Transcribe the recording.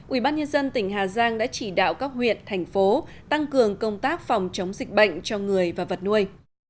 ubnd tỉnh hà giang đã chỉ đạo các huyện thành phố tăng cường công tác phòng chống dịch bệnh cho người và vật nuôi